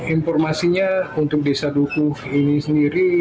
informasinya untuk desa dukuh ini sendiri